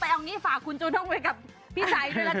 เอาอย่างงี้ประสงค์ไปกับพี่ชัยด้วยนะคะ